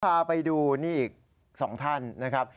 พาไปดูนี่อีก๒ท่านนะครับ